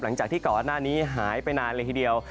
หลังจากที่ก่อนหน้านี้หายไปนานเลยทีเดียว